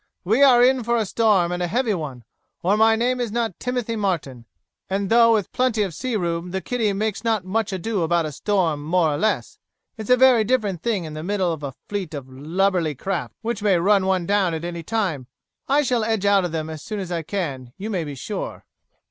"We are in for a storm, and a heavy one, or my name is not Timothy Martin, and though with plenty of sea room the Kitty makes not much ado about a storm more or less, it's a very different thing in the middle of a fleet of lubberly craft, which may run one down at any time. I shall edge out of them as soon as I can, you may be sure."